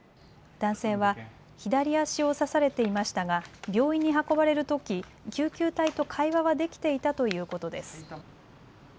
男性は左足を刺されていましたが病院に運ばれるとき救急隊と会話はできていたということです。